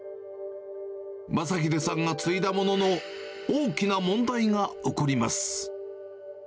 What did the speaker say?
将英さんが継いだものの、大きな問題が起こります。